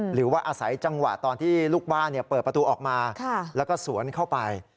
หรือว่าอาศัยจังหวะตอนที่ลูกบ้านเปิดประตูออกมาแล้วก็สวนเข้าไป